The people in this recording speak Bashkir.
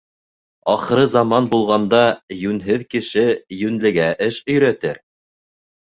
Ахырызаман булғанда йүнһеҙ кеше йүнлегә эш өйрәтер.